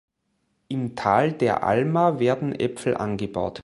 Im Tal der Alma werden Äpfel angebaut.